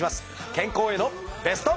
健康へのベスト。